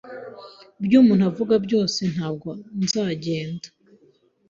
Ibyo umuntu avuga byose, ntabwo nzagenda.